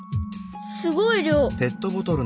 すごい量。